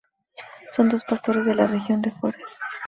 Son dos pastores de la región de Forez.